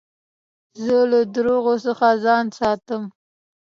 زه له درواغو څخه ځان ساتم.